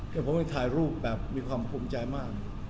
เดี๋ยวผมก็ถ่ายรูปแบบมีความภูมิใจมาก